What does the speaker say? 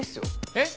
えっ？